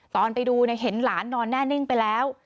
ตอนไปดูเห็นหลานนอนแน่นิ่งไปแล้ว